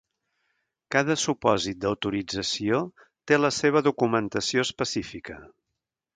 Cada supòsit d'autorització té la seva documentació específica.